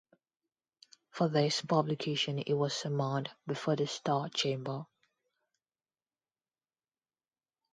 For this publication he was summoned before the Star Chamber.